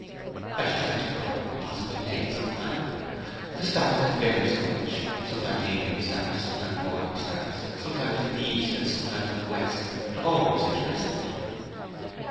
'I should like to come, and possibly may at some time. These stars that vary so much sometimes evening stars, sometimes morning stars, sometimes in the east, and sometimes in the west have always interested me.'